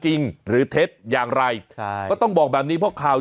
จริงหรือเท็จอย่างไรใช่ก็ต้องบอกแบบนี้เพราะข่าว